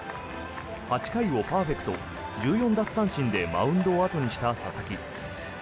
８回をパーフェクト１４奪三振でマウンドを後にした佐々木。